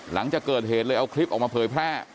หลังจากเกิดเหตุเลยเอาคลิปออกมาเผยแพร่